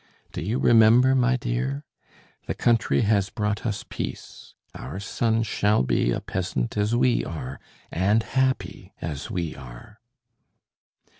Do you remember, my dear ? The country has brought us peace: our son shall be a peasant as we are, and happy as we are."